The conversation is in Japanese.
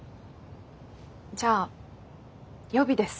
じゃあ予備です。